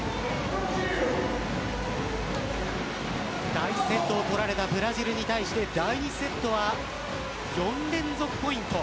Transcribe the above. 第１セットを取られたブラジルに対し、第２セットは４連続ポイント。